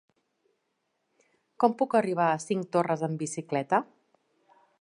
Com puc arribar a Cinctorres amb bicicleta?